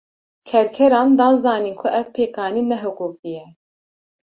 Kerkeran, dan zanîn ku ev pêkanîn ne hiqûqî ye